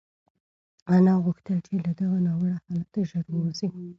انا غوښتل چې له دغه ناوړه حالته ژر ووځي.